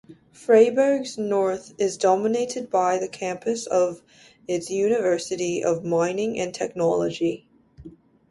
Freiberg's north is dominated by the campus of its University of Mining and Technology.